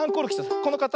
このかたち。